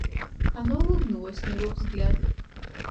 Она улыбнулась на его взгляд.